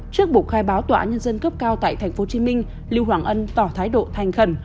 trước buộc khai báo tỏa nhân dân cấp cao tại tp hcm lưu hoàng ân tỏ thái độ thanh khẩn